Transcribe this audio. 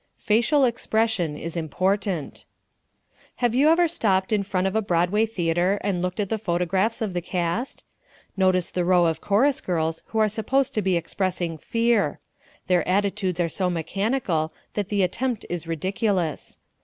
Facial Expression is Important Have you ever stopped in front of a Broadway theater and looked at the photographs of the cast? Notice the row of chorus girls who are supposed to be expressing fear. Their attitudes are so mechanical that the attempt is ridiculous.